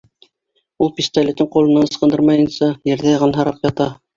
Ул, пистолетын ҡулынан ыскындырмайынса, ерҙә ҡанһырап ята.